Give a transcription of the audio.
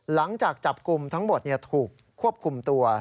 หลังจากจับกลุ่มทั้งหมดถูกควบคุมตัว